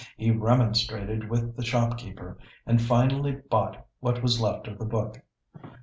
He remonstrated with the shopkeeper, and finally bought what was left of the Book.